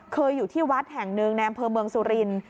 อยู่ที่วัดแห่งหนึ่งในอำเภอเมืองสุรินทร์